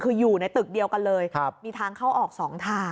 คืออยู่ในตึกเดียวกันเลยมีทางเข้าออก๒ทาง